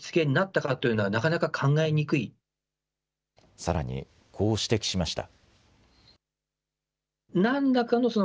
さらに、こう指摘しました。